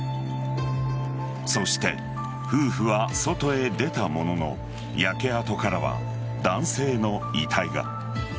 そして、夫婦は外へ出たものの焼け跡からは男性の遺体が。